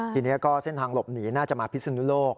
ทีนี้ก็เส้นทางหลบหนีน่าจะมาพิศนุโลก